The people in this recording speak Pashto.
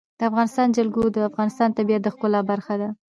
د افغانستان جلکو د افغانستان د طبیعت د ښکلا برخه ده.